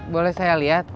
boleh saya liat